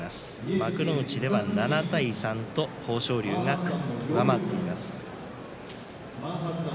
幕内では７対３と豊昇龍が上回っています。